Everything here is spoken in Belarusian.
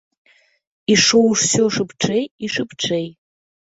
Ішоў усё шыбчэй і шыбчэй.